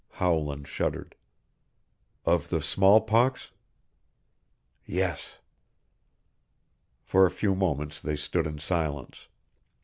Howland shuddered. "Of the smallpox?" "Yes." For a few moments they stood in silence.